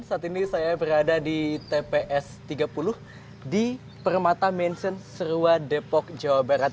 saat ini saya berada di tps tiga puluh di permata mansion serua depok jawa barat